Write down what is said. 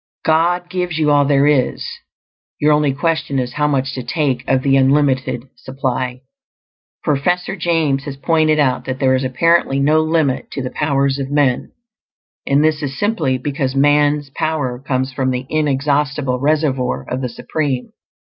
God gives you all there is; your only question is how much to take of the unlimited supply. Professor James has pointed out that there is apparently no limit to the powers of men; and this is simply because man's power comes from the inexhaustible reservoir of the Supreme.